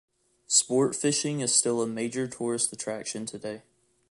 Sport fishing is still a major tourist attraction today.